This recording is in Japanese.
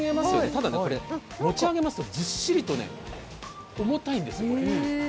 ただ、これ持ち上げますとずっしりと重たいんです。